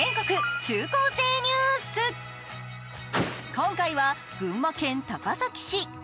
今回は群馬県高崎市。